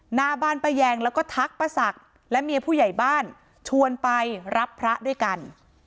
หน้าบ้านป้าแยงแล้วก็ทักป้าศักดิ์และเมียผู้ใหญ่บ้านชวนไปรับพระด้วยกัน